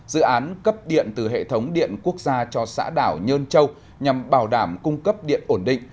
dự án cấp điện từ hệ thống điện quốc gia cho xã đảo nhơn châu nhằm bảo đảm cung cấp điện ổn định